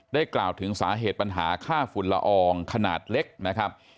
กล่าวถึงสาเหตุปัญหาค่าฝุ่นละอองขนาดเล็กนะครับ